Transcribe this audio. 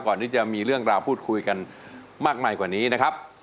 ก่อนที่จะมีเรื่องราวพูดคุยกันมากมายกว่านี้นะครับ